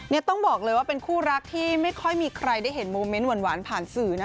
นี่ต้องบอกเลยว่าเป็นคู่รักที่ไม่ค่อยมีใครได้เห็นโมเมนต์หวานผ่านสื่อนะ